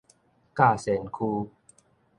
甲仙區